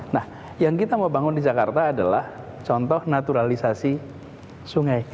nah yang kita mau bangun di jakarta adalah contoh naturalisasi sungai